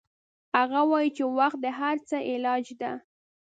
هغه وایي چې وخت د هر څه علاج ده